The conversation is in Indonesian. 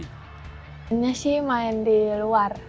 pengennya sih main di luar